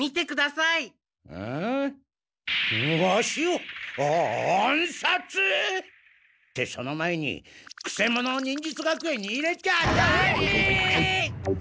ワシを暗殺！？ってその前にくせ者を忍術学園に入れちゃダメ！